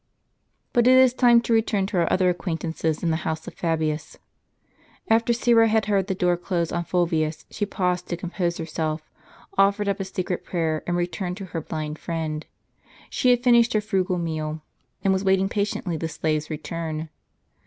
* But it is time to return to our other acquaintances in the house of Fabius. After Syra had heard the door close on Fulvius she paused to compose herself, offered up a secret prayer, and returned to her blind friend. She had finished her frugal meal, and was waiting patiently the slave's return.